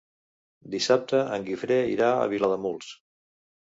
Dissabte en Guifré irà a Vilademuls.